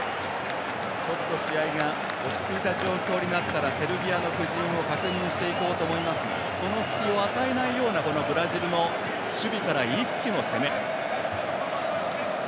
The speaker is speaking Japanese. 試合が落ち着いた状況になったらセルビアの布陣を確認していこうと思いますがその隙を与えないようなブラジルの守備からの一気の攻め。